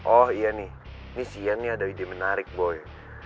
oh iya nih ini siang nih ada ide menarik boy